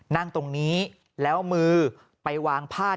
นั่งตรงนี้แล้วมือไปวางพาด